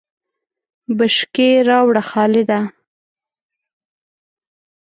بشکی راوړه خالده !